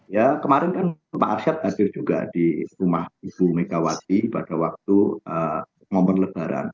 ya kemarin kan pak arsyad hadir juga di rumah ibu megawati pada waktu momen lebaran